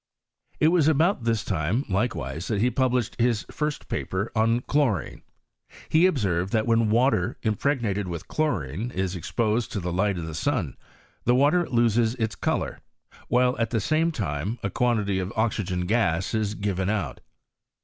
It was about this time, likewise, that he pub lished his first paper on chlorine. He observed, that when water, impregnated with chlorine, is exposed to the light of the sun, the water loses its colour, while, at the same time, a quantity of oxygen gas is given out.